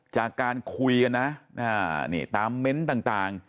จากการคุยกันนะนี่ตามเม้นต์ต่าง